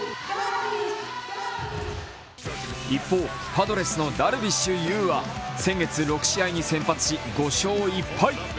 一方、パドレスのダルビッシュ有は先月６試合に先発し、５勝１敗。